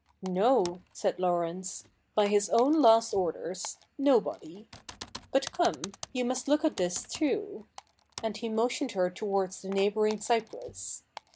' No,' said Laurence. ' By his own last orders, nobody. But come — you must look at this too.' And he motioned her towards the neighbouring cypress.